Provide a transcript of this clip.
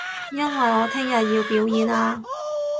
因為我聽日要表演啊